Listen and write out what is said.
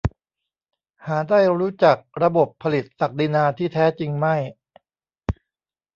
หาได้รู้จักระบบผลิตศักดินาที่แท้จริงไม่